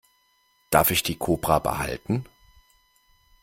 Darf ich die Kobra behalten?